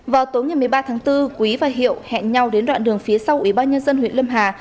vào tối ngày một mươi ba tháng bốn quý và hiệu hẹn nhau đến đoạn đường phía sau ủy ban nhân dân huyện lâm hà